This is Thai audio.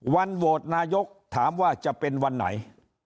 โหวตนายกถามว่าจะเป็นวันไหน